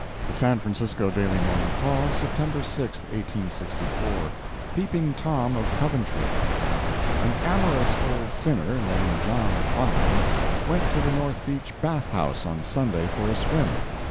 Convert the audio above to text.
The San Francisco Daily Morning Call, September 6, 1864 PEEPING TOM OF COVENTRY An amorous old sinner, named John Fine, went to the North Beach bath house on Sunday for a swim.